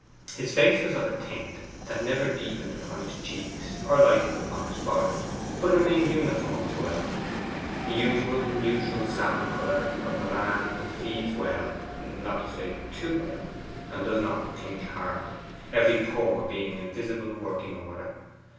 His face was of a tint that never deepened upon his cheeks nor lightened upon his forehead, but remained uniform throughout; the usual neutral salmon colour of a man who feeds well not to say too well and does not think hard; every pore being in visible working order.